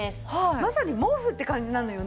まさに毛布って感じなのよね。